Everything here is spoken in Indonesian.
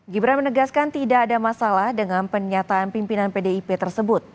gibran menegaskan tidak ada masalah dengan pernyataan pimpinan pdip tersebut